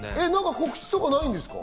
告知とかないんですか？